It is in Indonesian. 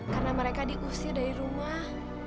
karena mereka diusir dari rumah